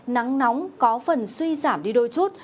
nắng nóng có phần suy giảm đi đôi chút